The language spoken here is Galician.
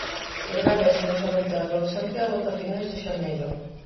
Poderá verse no Salón Teatro de Santiago ata finais de xaneiro.